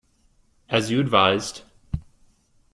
As you advised.